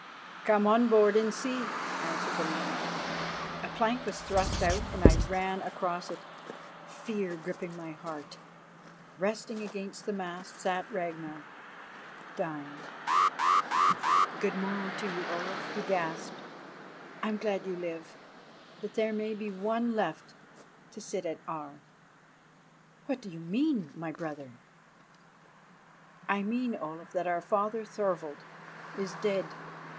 "Come on board and see," answered the man. A plank was thrust out and I ran across it, fear gripping at my heart. Resting against the mast sat Ragnar, dying. "Good morrow to you, Olaf," he gasped. "I am glad you live, that there may be one left to sit at Aar." "What do you mean, my brother?" "I mean, Olaf, that our father, Thorvald, is dead.